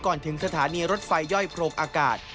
ก่อนถึงสถานีรถไฟย่อยโพลกอากาศ